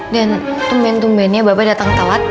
dan tumben tumbennya bapak datang tewat